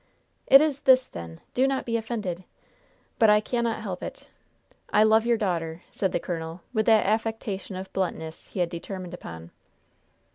"It is this, then. Do not be offended. But I cannot help it I love your daughter!" said the colonel, with that affectation of bluntness he had determined upon.